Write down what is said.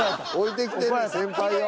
置いてきてんねん先輩を。